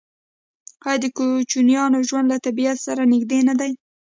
آیا د کوچیانو ژوند له طبیعت سره نږدې نه دی؟